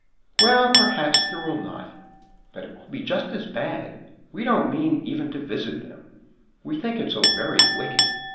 "Well, perhaps there will not. But it will be just as bad. We don't mean even to visit them; we think it so very wicked.